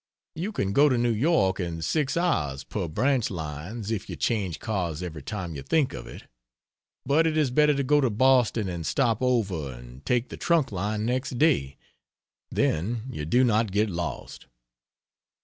You can go to New York in six hours per branch lines if you change cars every time you think of it, but it is better to go to Boston and stop over and take the trunk line next day, then you do not get lost.